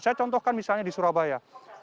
saya contohkan misalnya di surabaya